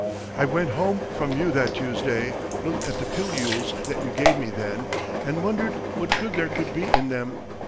I went home from you that Tuesday, looked at the pilules that you gave me then, and wondered what good there could be in them.